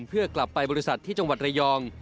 เพื่อกลับไปบริษัทที่จังหวัดระยอง